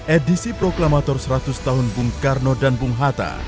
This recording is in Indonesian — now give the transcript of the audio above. edisi proklamator seratus tahun bung karno dan bung hatta